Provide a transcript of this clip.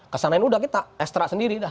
kesana ini udah kita extra sendiri dah